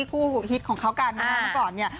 คู่ฮิตของเขากันนะคะเมื่อก่อนเนี่ย